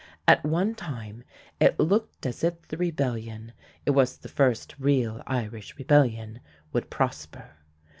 At one time it looked as if the rebellion (it was the first real Irish rebellion) would prosper.